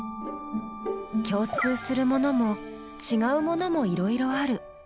共通するものもちがうものもいろいろある。